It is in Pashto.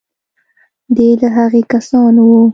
دی له هغو کسانو و.